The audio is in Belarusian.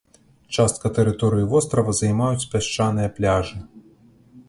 Частка тэрыторыі вострава займаюць пясчаныя пляжы.